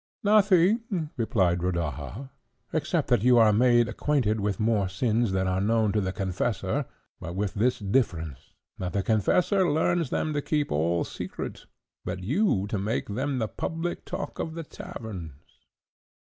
"Nothing," replied Rodaja, "except that you are made acquainted with more sins than are known to the confessor; but with this difference, that the confessor learns them to keep all secret, but you to make them the public talk of the taverns."